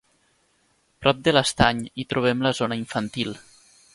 Prop de l'estany hi trobem la zona infantil.